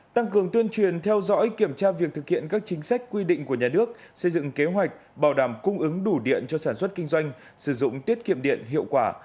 tăng cường tuyên truyền theo dõi kiểm tra việc thực hiện các chính sách quy định của nhà nước xây dựng kế hoạch bảo đảm cung ứng đủ điện cho sản xuất kinh doanh sử dụng tiết kiệm điện hiệu quả